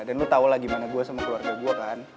dan lo tau lah gimana gue sama keluarga gue kan